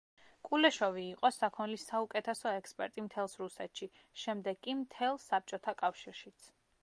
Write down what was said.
კულეშოვი იყო საქონლის საუკეთესო ექსპერტი მთელს რუსეთში, შემდეგ კი მთელ საბჭოთა კავშირშიც.